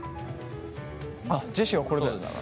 あっジェシーはこれだよな。